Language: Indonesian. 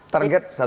target satu bulan